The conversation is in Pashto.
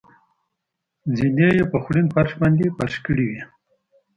زېنې یې په خوړین فرش باندې فرش کړې وې.